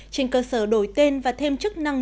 trên cơ sở đổi tên và thêm chức năng